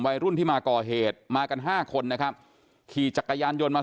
วัยรุ่นที่มาก่อเหตุมากันห้าคนนะครับขี่จักรยานยนต์มา